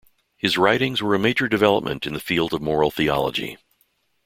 His writings were a major development in the field of moral theology.